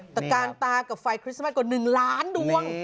ตะกานตากับไฟคริสต์มัสกว่า๑ล้านดวง